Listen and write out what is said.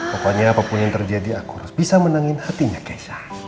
pokoknya apapun yang terjadi aku harus bisa menangin hatinya kesa